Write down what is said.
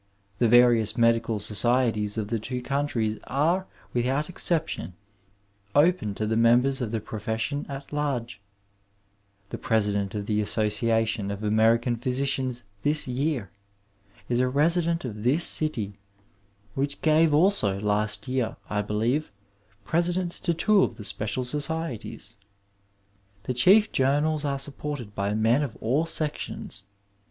The various medical societies of the two countries are, without exception, open to the members of the profession at brge. The President of the Asso ciation of American Physicians this year (Dr. James Stewart), is a resident of this city, which gave also last year ▲K 280 u Digitized by VjOOQIC CHAUVINISM m MEDICINE I believe, piesidents to two of the special societies. The chief journals are supported by men of all sections.